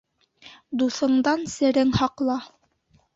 Дуҫыңдан серең һаҡла.